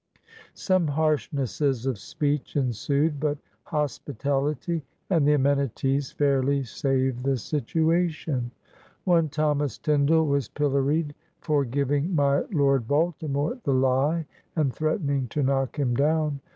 Some harshnesses of speech ensued, but hospitality and the amenities fairly saved the situation. One Thomas Tindall was pilloried for "giving my lord Baltimore the lie and threatening to knock him down."